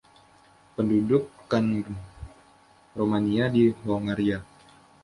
Pendudukan Romania di Hongaria.